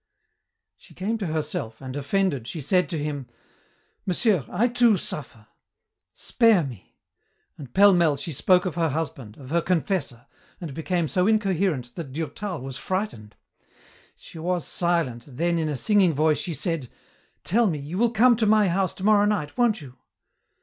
She came to herself, and, offended, she said to him, "Monsieur, I too suffer. Spare me," and pell mell she spoke of her husband, of her confessor, and became so incoherent that Durtal was frightened. She was silent, then in a singing voice she said, "Tell me, you will come to my house tomorrow night, won't you?"